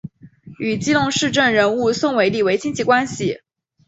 与基隆市政治人物宋玮莉为亲戚关系。